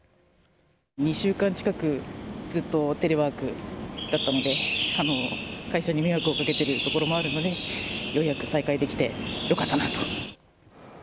２週間近くずっとテレワークだったので、会社に迷惑をかけてるところもあるので、ようやく再開できてよかったなと。